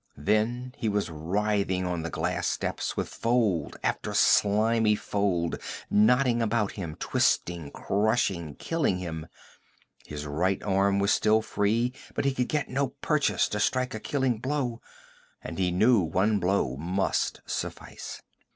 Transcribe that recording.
Then he was writhing on the glass steps with fold after slimy fold knotting about him, twisting, crushing, killing him. His right arm was still free, but he could get no purchase to strike a killing blow, and he knew one blow must suffice.